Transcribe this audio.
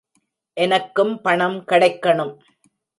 எனக்கும் பணம் கெடைக்கனும.